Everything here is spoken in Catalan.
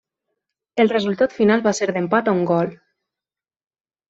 El resultat final va ser d'empat a un gol.